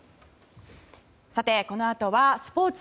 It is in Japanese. このあとはスポーツ。